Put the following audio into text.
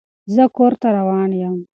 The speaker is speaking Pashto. زه کور ته روان يم.